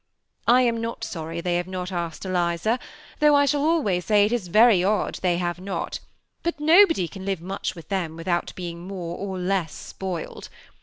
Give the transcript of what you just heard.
I am not sorry they have not asked Eliza ; though I shall always say it is very odd they have not ; but nobody can live much .with them without beiug more or less spoiled.